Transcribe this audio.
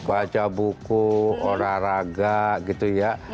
baca buku olahraga gitu ya